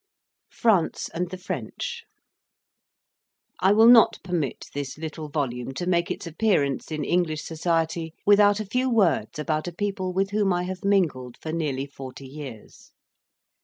FRANCE AND THE FRENCH I will not permit this little volume to make its appearance in English society, without a few words about a people with whom I have mingled for nearly forty years.